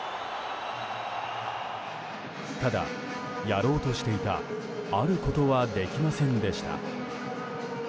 ただ、やろうとしていたあることはできませんでした。